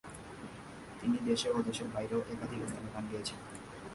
তিনি দেশে ও দেশের বাইরেও একাধিক স্থানে গান গেয়েছেন।